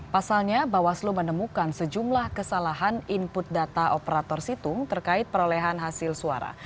pasalnya bawaslu menemukan sejumlah kesalahan input data operator situng terkait perolehan hasil suara